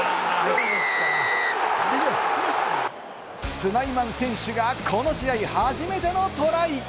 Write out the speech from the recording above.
スナイマン選手がこの試合、初めてのトライ。